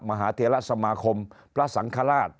มหาเทรสมาคมพระสังฆราช